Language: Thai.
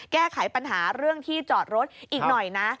แก้ไขปัญหาเรื่องที่จอดรถอีกหน่อยนะ